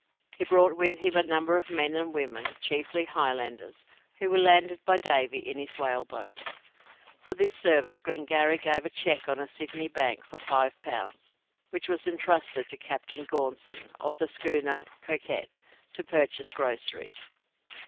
He brought with him a number of men and women, chiefly Highlanders, who were landed by Davy in his whaleboat. For this service Glengarry gave a cheque on a Sydney bank for five pounds, which was entrusted to Captain Gaunson of the schooner 'Coquette' to purchase groceries.